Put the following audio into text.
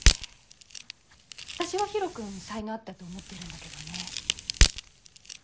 私はヒロ君才能あったと思ってるんだけどね。